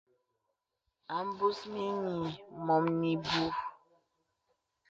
A mbus mìnyì mɔ̀m ìbùù.